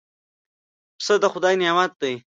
پسه د خدای نعمت دی.